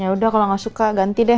ya udah kalau gak suka ganti deh